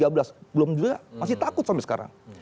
belum juga masih takut sampai sekarang